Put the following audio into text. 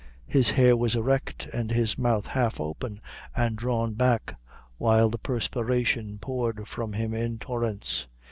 His hair was erect, and his mouth half open, and drawn back; while the perspiration poured from him in torrents.